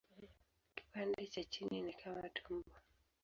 Kipande cha chini ni kama tumbo.